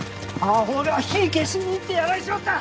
あほが火消しに行ってやられちまった！